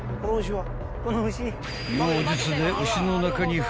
［妖術で］